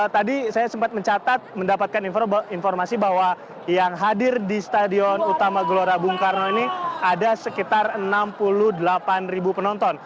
tadi saya sempat mencatat mendapatkan informasi bahwa yang hadir di stadion utama gelora bung karno ini ada sekitar enam puluh delapan penonton